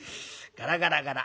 ガラガラガラ。